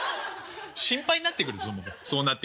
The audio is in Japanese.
心配になってくるそうなってくると。